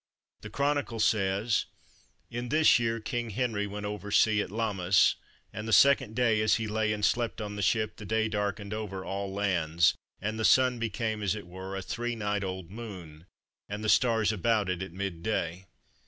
The Chronicle says:—"In this year King Henry went over sea at Lammas, and the second day as he lay and slept on the ship the day darkened over all lands; and the Sun became as it were a three night old Moon, and the stars about it at mid day.